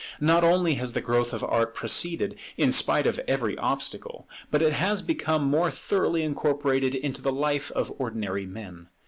Not only has the growth of art proceeded in spite of every obstacle, but it has become more thoroughly incorporated into the life of ordinary men.